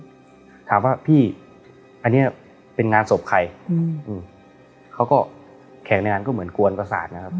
ถามว่าพี่อันเนี้ยเป็นงานศพใครอืมเขาก็แขกในงานก็เหมือนกวนประสาทนะครับ